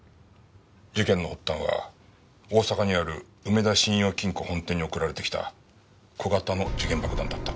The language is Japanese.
事件の発端は大阪にある梅田信用金庫本店に送られてきた小型の時限爆弾だった。